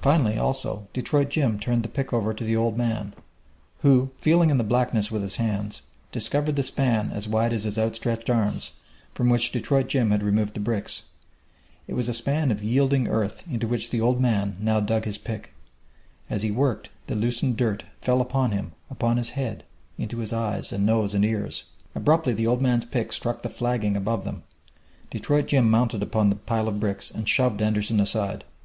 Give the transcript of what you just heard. Finally, also, Detroit Jim turned the pick over to the old man, who, feeling in the blackness with his hands, discovered the span as wide as his outstretched arms, from which Detroit Jim had removed the bricks. It was a span of yielding earth into which the old man now dug his pick. As he worked, the loosened dirt fell upon him, upon his head, into his eyes and nose and ears.... Abruptly the old man's pick struck the flagging above them! Detroit Jim mounted upon the pile of bricks and shoved Anderson aside.